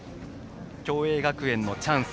共栄学園のチャンス。